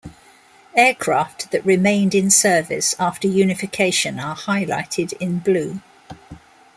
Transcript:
Aircraft that remained in service after unification are highlighted in blue.